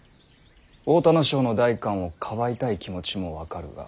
太田荘の代官をかばいたい気持ちも分かるが。